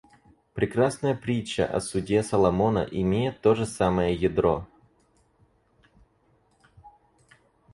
Прекрасная притча о суде Соломона имеет это же самое ядро.